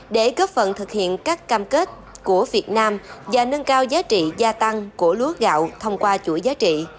để góp phần thực hiện các cam kết của việt nam và nâng cao giá trị gia tăng của lúa gạo thông qua chuỗi giá trị